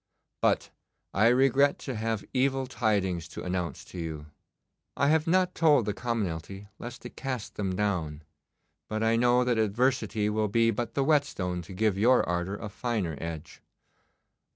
But I regret to have evil tidings to announce to you. I have not told the commonalty lest it cast them down, but I know that adversity will be but the whetstone to give your ardour a finer edge.